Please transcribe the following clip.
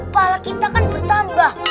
pahala kita akan bertambah